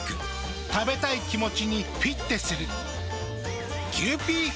食べたい気持ちにフィッテする。